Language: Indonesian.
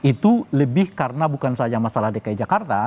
itu lebih karena bukan saja masalah dki jakarta